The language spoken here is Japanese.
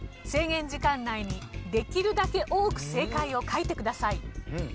制限時間内にできるだけ多く正解を書いてください。